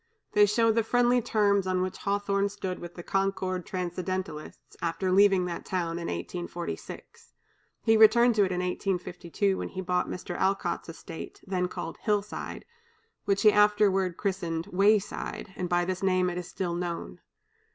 They show the friendly terms on which Hawthorne stood with the Concord Transcendentalists, after leaving that town in 1846. He returned to it in 1852, when he bought Mr. Alcott's estate, then called "Hillside," which he afterward christened "Wayside," and by this name it is still known.